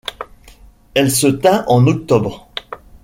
Elle se tint en octobre.